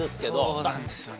そうなんですよね。